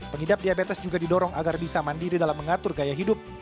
pengidap diabetes juga didorong agar bisa mandiri dalam mengatur gaya hidup